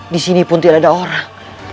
di sini pun tidak ada orang